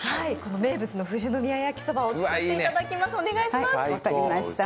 名物の富士宮やきそばを作ってもらいます。